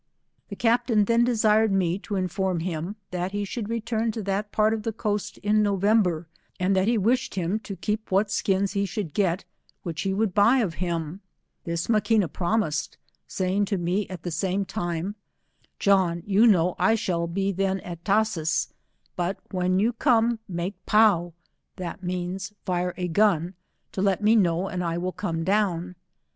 The captain then desired me to inform him that he should return to that part of the coast in Novem ber, and that he wished him to keep what skins he should get, which he would buy of him. This Ma quina promised, saying to me at the same time, " John, you know I shall be then at Tashees, but when you come raakepozo, which means, fire a gun to let me know, and I will come down."